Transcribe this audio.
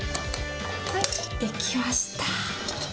できました。